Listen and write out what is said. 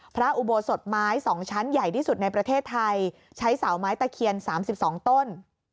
พระอุโบสถไม้๒ชั้นใหญ่ที่สุดในประเทศไทยใช้เสาไม้ตะเคียน๓๒ต้น